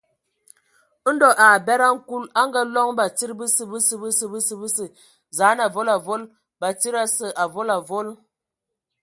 Ndɔ a abed a nkul, a ngaaloŋ batsidi: bəsǝ, bəsǝ, bəsǝ, bəsǝ, bəsǝ, zaan avol, avol, batsidi asə, avol avol.